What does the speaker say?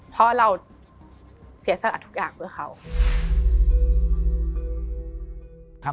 เพราะเราเสียสละทุกอย่างเพื่อเขา